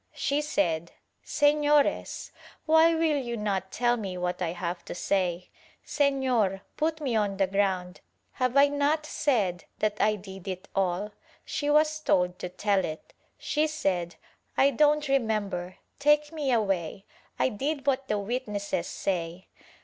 She said "Sefiores, why will you not tell me what I have to say ? Sefior, put me on the ground — ^have I not said that I did it all?" She was told to tell it. She said "I don't remember — take me away — I did what the witnesses say."